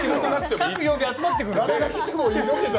各曜日、集まってくる。